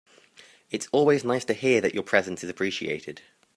It is always nice to hear that your presence is appreciated.